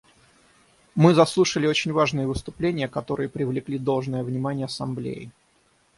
Мы заслушали очень важные выступления, которые привлекли должное внимание Ассамблеи.